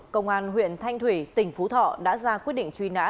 công an huyện thanh thủy tỉnh phú thọ đã ra quyết định truy nã